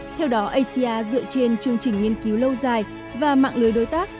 theo đó aci dựa trên chương trình nghiên cứu lâu dài và mạng lưới đối tác